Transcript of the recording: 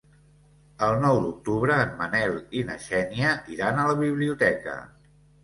El nou d'octubre en Manel i na Xènia iran a la biblioteca.